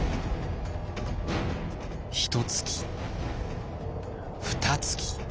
ひとつきふたつき。